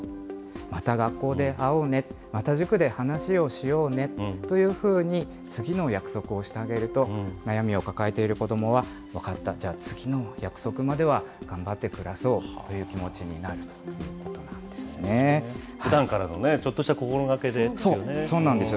また学校で会おうね、また塾で話をしようねというふうに、次の約束をしてあげると、悩みを抱えている子どもは、分かった、じゃあ次の約束までは頑張って暮らそうという気持ちになるというふだんからのちょっとした心そうなんですよ。